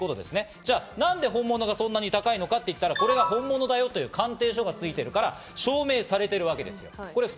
じゃあ、何で本物がそんなに高いかっていったら、これは本物だよという鑑定書がついてるから証明されているわけです。